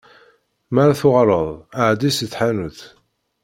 Mi ara tuɣaleḍ, εeddi si tḥanut.